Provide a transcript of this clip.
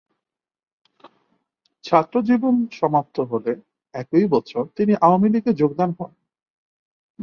ছাত্রজীবন সমাপ্ত হলে একই বছর তিনি আওয়ামী লীগে যোগদান করেন।